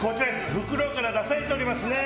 袋から出されておりますね。